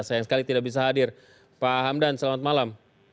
sayang sekali tidak bisa hadir pak hamdan selamat malam